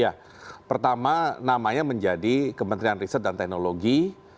ya pertama namanya menjadi kementerian riset dan teknologi